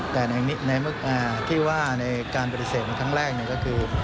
แต่ในที่ว่าในการปฏิเสธมันครั้งแรกเนี่ยก็คือ